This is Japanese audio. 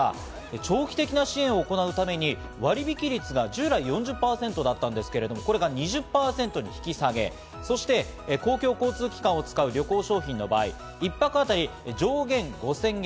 長期的な支援を行うために割引率は従来４０％だったんですが、２０％に引き下げ、公共交通機関を使う旅行商品の場合、１泊あたり上限５０００円。